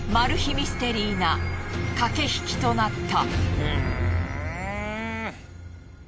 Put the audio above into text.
ミステリーな駆け引きとなった。